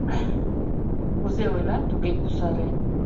Кузе ойла, туге кусаре!